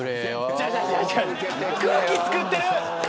空気作ってる。